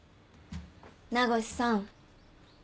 名越さん。